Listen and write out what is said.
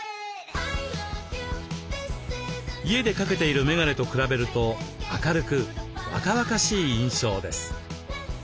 家で掛けているメガネと比べると明るく若々しい印象です。